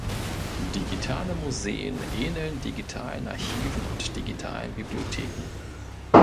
Digitale Museen ähneln digitalen Archiven und digitalen Bibliotheken.